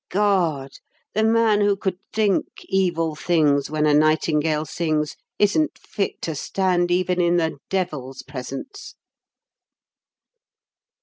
God! the man who could think evil things when a nightingale sings, isn't fit to stand even in the Devil's presence."